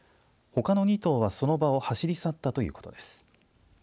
ほかの２頭は、その場を走り去ったということです。